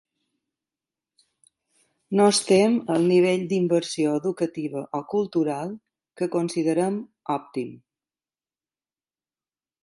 No estem al nivell d’inversió educativa o cultural que considerem òptim.